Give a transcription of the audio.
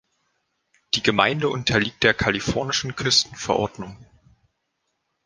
Die Gemeinde unterliegt der kalifornischen Küstenverordnung.